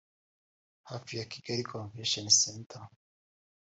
hafi ya Kigali Convention Center